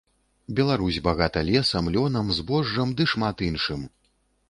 Беларусь багата лесам, лёнам, збожжам ды шмат іншым.